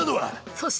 そして！